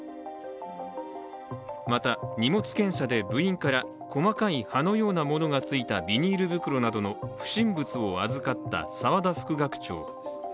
また、荷物検査で、部員から細かい葉のようなものがついたビニール袋などの不審物を預かった澤田副学長。